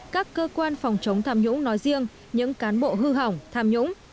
các cơ quan phòng chống tham nhũng nói riêng những cán bộ hư hỏng tham nhũng